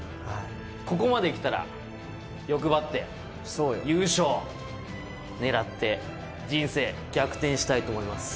ここまで来たら欲張って優勝狙って人生逆転したいと思います